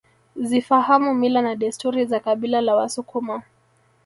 Zifahamu mila na desturi za kabila la wasukuma